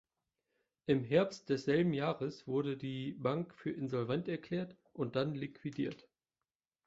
Im Herbst desselben Jahres wurde die Bank für insolvent erklärt und dann liquidiert.